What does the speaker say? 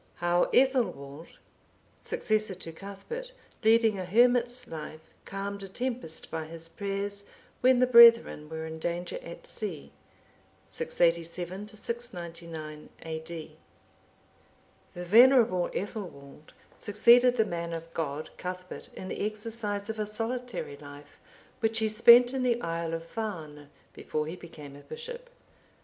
How Ethelwald, successor to Cuthbert, leading a hermit's life, calmed a tempest by his prayers when the brethren were in danger at sea. [687 699 A.D.] The venerable Ethelwald(766) succeeded the man of God, Cuthbert, in the exercise of a solitary life, which he spent in the isle of Farne(767) before he became a bishop.